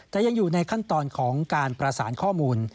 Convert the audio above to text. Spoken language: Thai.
แต่ยังอยู่ในขั้นตอนของการประสานข้อมูล